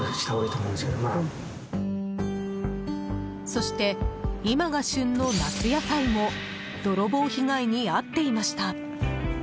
そして、今が旬の夏野菜も泥棒被害に遭っていました。